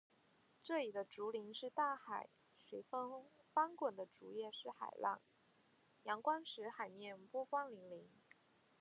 这里的竹林是大海，随风翻滚的竹叶是海浪，阳光使“海面”波光粼粼。